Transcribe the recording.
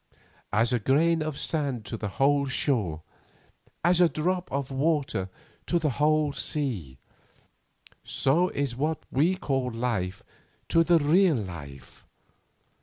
As a grain of sand to the whole shore, as a drop of water to the whole sea, so is what we call our life to the real life.